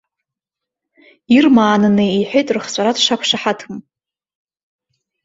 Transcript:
Ирмаананы иҳәеит рыхҵәара дшақәшаҳаҭым.